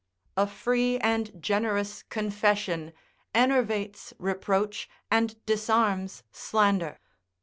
A free and generous confession enervates reproach and disarms slander.